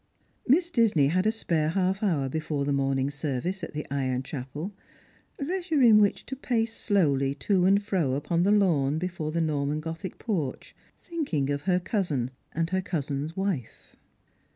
Miss Disney had a spare half hour before the morning service at the iron chapel, leisure in which to pace slowly to and fro upon the lawn before the Norman gothic porch, thinking of her cousin and her cousin's wife.